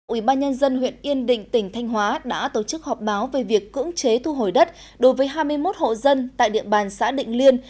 ubnd huyện yên định tỉnh thanh hóa đã tổ chức họp báo về việc cưỡng chế thu hồi đất đối với hai mươi một hộ dân tại địa bàn xã định liên